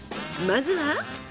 まずは。